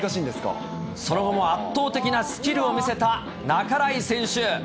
その後も圧倒的なスキルを見せた半井選手。